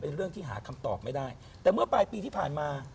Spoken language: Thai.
เรื่องที่หาคำตอบไม่ได้แต่เมื่อปลายปีที่ผ่านมา